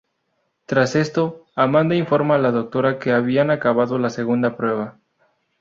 Tras esto, Amanda informa a la doctora que habían acabado la segunda prueba.